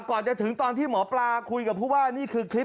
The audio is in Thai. ก่อนจะถึงตอนที่หมอปลาคุยกับผู้ว่านี่คือคลิป